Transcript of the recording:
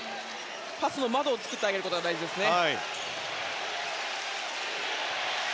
パスの窓を作ってあげることが大事ですね。